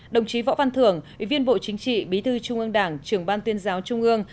đồng chí võ văn thưởng ủy viên bộ chính trị bí thư trung ương đảng trưởng ban tuyên giáo trung ương